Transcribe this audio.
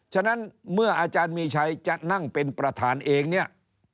ฉะนั้นเมื่ออาจารย์มีชัยจะนั่งเป็นประธานเองเนี่ย